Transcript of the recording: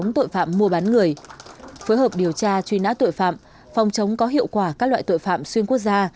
chống tội phạm mua bán người phối hợp điều tra truy nã tội phạm phòng chống có hiệu quả các loại tội phạm xuyên quốc gia